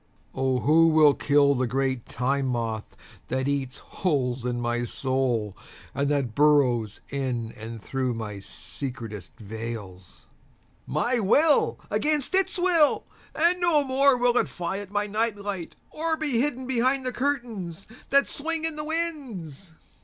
(O who will kill the great Time Moth that eats holes in my soul and that burrows in and through my secretest veils!)My will against its will, and no more will it fly at my night light or be hidden behind the curtains that swing in the winds.